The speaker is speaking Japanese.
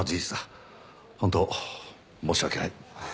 本当申し訳ない。